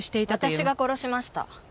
私が殺しました。